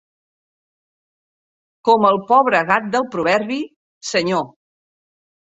Com el pobre gat del proverbi, senyor.